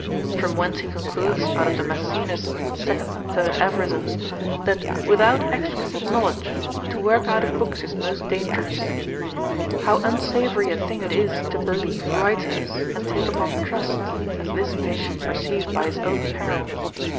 From whence he concludes out of Damascenus 2 et 3. Aphoris. that without exquisite knowledge, to work out of books is most dangerous: how unsavoury a thing it is to believe writers, and take upon trust, as this patient perceived by his own peril.